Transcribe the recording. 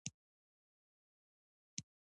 زما هم د سترګو ديد کمزوری سوی دی